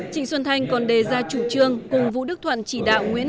trịnh xuân thanh còn đề ra chủ trương cùng vũ đức thuận chỉ đạo nguyễn